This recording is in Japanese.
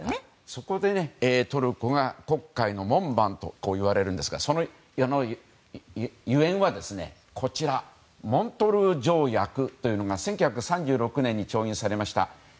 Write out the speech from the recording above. そこで、トルコが黒海の門番と呼ばれるんですがそのゆえんはモントルー条約というのが１９３６年に調印されました。